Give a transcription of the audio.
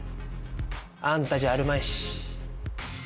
あんたじゃあるまいし。